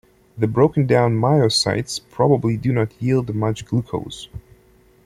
The broken down myocytes probably do not yield much glucose.